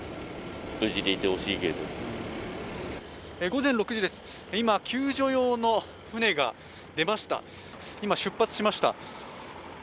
午前６時です、今、救助用の船が出ました、今、出発しました。